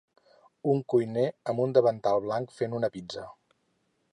Un cuiner amb un davantal blanc fent una pizza.